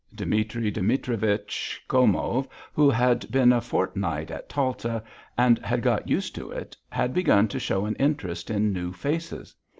Dimitri Dimitrich Gomov, who had been a fortnight at Talta and had got used to it, had begun to show an interest in new faces.